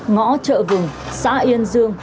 ngõ chợ vùng xã yên dương